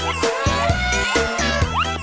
เฮ่น้องช้างแต่ละเชือกเนี่ย